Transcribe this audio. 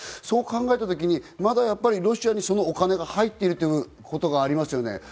そう考えたとき、まだロシアにそのお金が入っていくということはありますね。